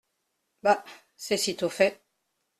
Bah ! c’est sitôt fait !